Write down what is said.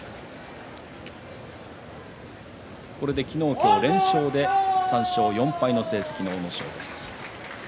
これで昨日、今日連勝で３勝４敗の成績の阿武咲です。